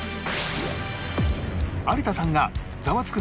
有田さんが『ザワつく！』